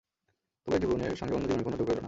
তবু এক জীবনের সঙ্গে অন্য জীবনের কোনো যোগ রইল না।